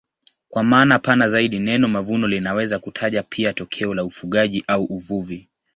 Kwa maana pana zaidi neno mavuno linaweza kutaja pia tokeo la ufugaji au uvuvi.